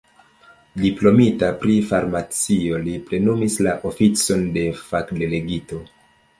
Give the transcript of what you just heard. Diplomita pri farmacio, li plenumis la oficon de fakdelegito.